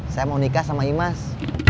saya mau nikah sama imas